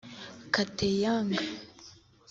Kate Young